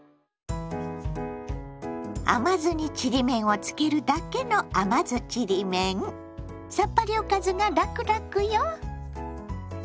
甘酢にちりめんをつけるだけのさっぱりおかずがラクラクよ。